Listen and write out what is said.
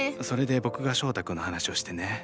それで僕が翔太君の話をしてね。